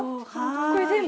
これ全部？